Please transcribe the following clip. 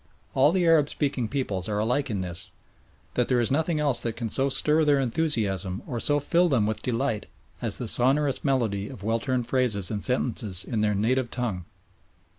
All the Arab speaking peoples are alike in this that there is nothing else that can so stir their enthusiasm or so fill them with delight as the sonorous melody of well turned phrases and sentences in their native tongue.